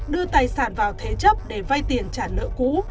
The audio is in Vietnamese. đưa tài sản vào thế chấp để vay tiền trả nợ cũ